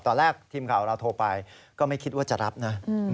ตอนแรกทีมข่าวเราโทรไปก็ไม่คิดว่าจะรับนะ